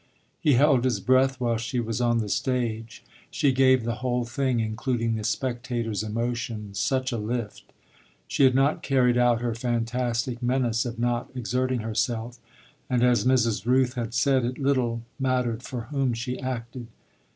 He held his breath while she was on the stage she gave the whole thing, including the spectator's emotion, such a lift. She had not carried out her fantastic menace of not exerting herself, and, as Mrs. Rooth had said, it little mattered for whom she acted.